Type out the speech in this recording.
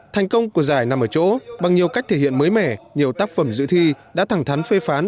thành công của giải nằm ở chỗ bằng nhiều cách thể hiện mới mẻ nhiều tác phẩm dự thi đã thẳng thắn phê phán